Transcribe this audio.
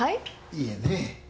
いえね。